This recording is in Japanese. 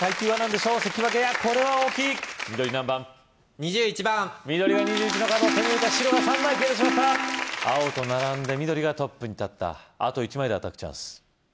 ２１番緑が２１の角を手に入れた白が３枚消えてしまった青と並んで緑がトップに立ったあと１枚でアタックチャンス